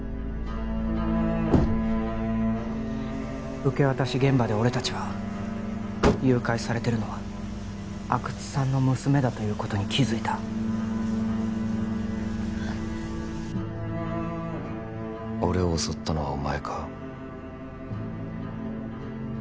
受け渡し現場で俺達は誘拐されてるのは阿久津さんの娘だということに気づいた俺を襲ったのはお前か？